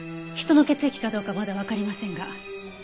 人の血液かどうかはまだわかりませんが。